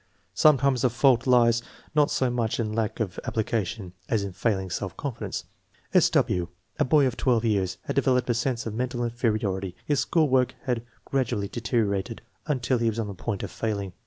Sometimes the fault lies not so much in lack of ap plication as in failing self confidence. S. W., a boy of twelve years, had developed a sense of mental inferi ority. His school work had gradually deteriorated un til he was on the point of failing.